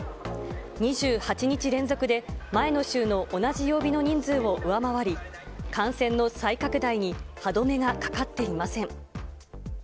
２８日連続で、前の週の同じ曜日の人数を上回り、感染の再拡大に歯止めがかかっていません。